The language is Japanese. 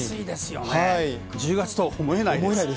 １０月とは思えないです。